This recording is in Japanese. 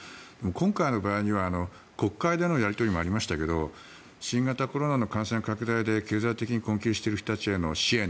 今回の場合には国会でのやり取りもありましたが新型コロナの感染拡大で経済的に困窮している人たちへの支援